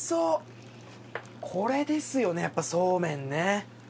これですよねやっぱそうめんね。